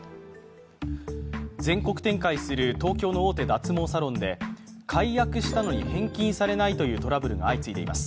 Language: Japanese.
全国展開する東京の大手脱毛サロンで解約したのに返金されないというトラブルが相次いでいます。